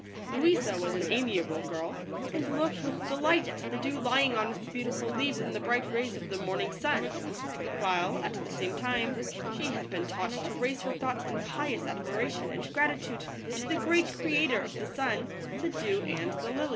Louisa was an amiable girl, and looked with delight at the dew lying on its beautiful leaves in the bright rays of the morning sun; while, at the same time, she had been taught to raise her thoughts in pious admiration and gratitude to the great Creator of the sun, the dew, and the lily.